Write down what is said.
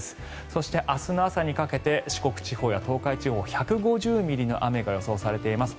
そして、明日の朝にかけて四国地方や東海地方１５０ミリの雨が予想されています。